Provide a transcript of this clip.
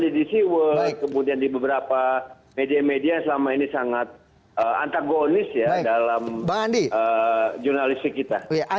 di dc world kemudian di beberapa media media yang selama ini sangat antagonis ya dalam jurnalistik kita